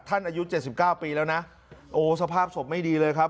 ท่านอายุเจ็ดสิบเก้าปีแล้วนะโอ้สภาพศพไม่ดีเลยครับ